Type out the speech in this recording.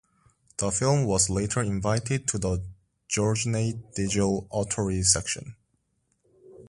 The film was later invited to the Giornate degli Autori section.